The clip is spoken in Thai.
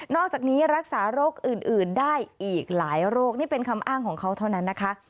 อกจากนี้รักษาโรคอื่นได้อีกหลายโรคนี่เป็นคำอ้างของเขาเท่านั้นนะคะ